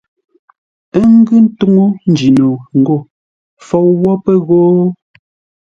Ə́ ngʉ ńtúŋú Njino ngô: Fou wə́ pə́ ghó.